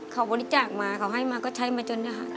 เขาบริจาคมาเขาให้มาก็ใช้มาจนเนี่ยค่ะ